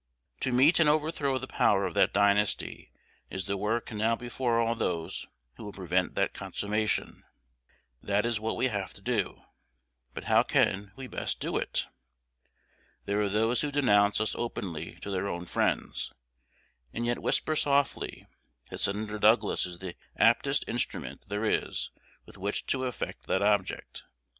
To meet and overthrow the power of that dynasty is the work now before all those who would prevent that consummation. That is what we have to do. But how can we best do it? There are those who denounce us openly to their own friends, and yet whisper softly, that Senator Douglas is the aptest instrument there is with which to effect that object.